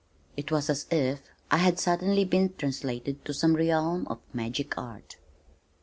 It was as if I had suddenly been translated to some realm of magic art.